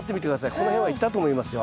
この辺はいったと思いますよ。